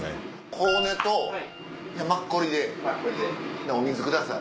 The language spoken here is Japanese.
こうねとマッコリでお水ください。